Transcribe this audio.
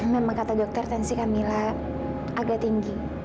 memang kata dokter tensi camilla agak tinggi